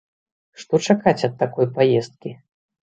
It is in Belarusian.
Што чакаць ад такой паездкі?